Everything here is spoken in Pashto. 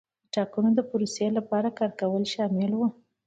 د ټاکنو د پروسې لپاره کار کول شامل وو.